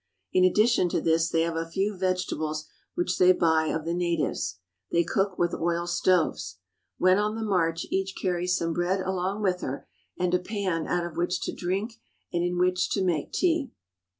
In addition to this they have a few vege tables which they buy of the natives. They cook with oil stoves. When on the march each carries some bread 54 "THE TRIBES OF GOD GO THITHER" along with her and a pan out of which to drink and in which to make tea.